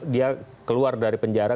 dia keluar dari penjara